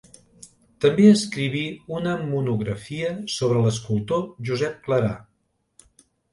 També escriví una monografia sobre l'escultor Josep Clarà.